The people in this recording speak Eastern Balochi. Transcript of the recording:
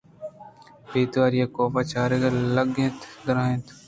بے تواری ءَ کاف ءَ چارگ ءَ لگ اِت ءُدرّائینت